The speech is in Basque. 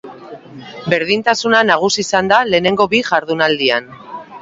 Berdintasuna nagusi izan da lehenengo bi jardunaldian.